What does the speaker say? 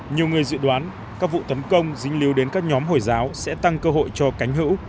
nhiều người dự đoán các vụ tấn công dính lưu đến các nhóm hồi giáo sẽ tăng cơ hội cho cánh hữu